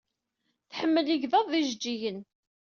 Tḥemmel igḍaḍ ed yijejjigen.